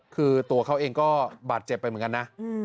คือตัวเขาเองก็บาดเจ็บไปเหมือนกันนะ